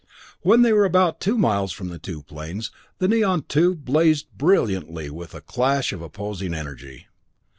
When they were about two miles from the two planes, the neon tube blazed brilliantly with a clash of opposing energy.